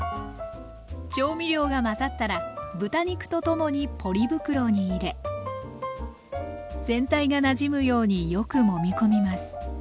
調味料が混ざったら豚肉と共にポリ袋に入れ全体がなじむようによくもみ込みます。